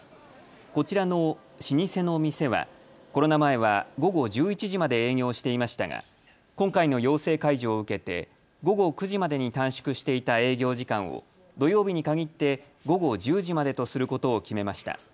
こちらの老舗の店はコロナ前は午後１１時まで営業していましたが今回の要請解除を受けて午後９時までに短縮していた営業時間を土曜日に限って午後１０時までとすることを決めました。